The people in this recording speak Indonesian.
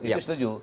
ya itu setuju